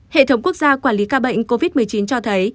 hệ thống quốc gia quản lý ca bệnh covid một mươi chín cho thấy